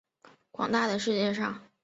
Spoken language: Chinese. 广大的世界上